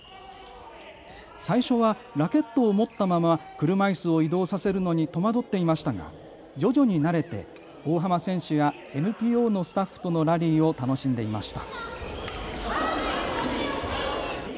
最初はラケットを持ったまま車いすを移動させるのに戸惑っていましたが徐々に慣れて大濱選手やＮＰＯのスタッフとのラリーを楽しんでいました。